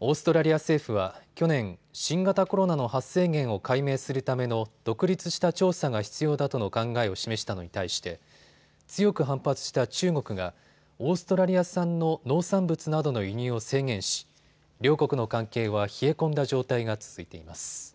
オーストラリア政府は去年、新型コロナの発生源を解明するための独立した調査が必要だとの考えを示したのに対して強く反発した中国がオーストラリア産の農産物などの輸入を制限し両国の関係は冷え込んだ状態が続いています。